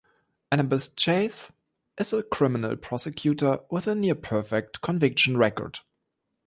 Annabeth Chase is a criminal prosecutor with a near perfect conviction record.